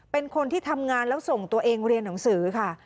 เป็นคนที่ทำงานแล้วส่งตัวเองเรียนหนังสือค่ะ